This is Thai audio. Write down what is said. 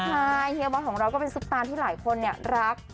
ใช่เฮียบอลของเราก็เป็นสุปราณที่หลายคนเนี่ยรัก